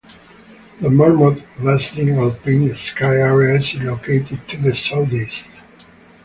The Marmot Basin alpine ski area is located to the southeast.